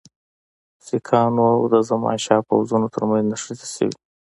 سیکهانو او د زمانشاه پوځونو ترمنځ نښتې سوي.